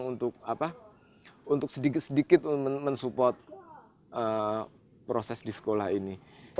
untuk sedikit sedikit mensupport proses di sekolah ini